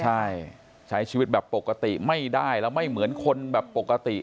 ใช่ใช้ชีวิตแบบปกติไม่ได้แล้วไม่เหมือนคนแบบปกติ